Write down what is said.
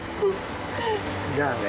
じゃあね。